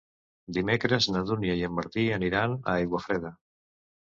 Dimecres na Dúnia i en Martí aniran a Aiguafreda.